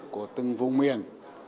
của từng vùng miền